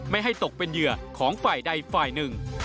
ไม่ให้ตกเป็นเหยื่อของฝ่ายใดฝ่ายหนึ่ง